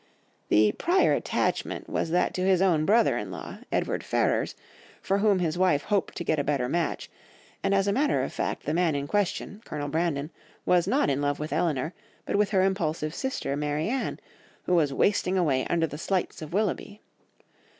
'" The "prior attachment" was that to his own brother in law, Edward Ferrars, for whom his wife hoped to get a better match, and as a matter of fact the man in question, Colonel Brandon, was not in love with Elinor, but with her impulsive sister, Marianne, who was wasting away under the slights of Willoughby.